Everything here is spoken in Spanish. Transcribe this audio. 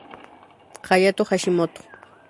Hayato Hashimoto